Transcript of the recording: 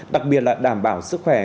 đặc biệt là đảm bảo sức khỏe